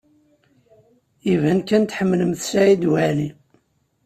Iban kan tḥemmlemt Saɛid Waɛli.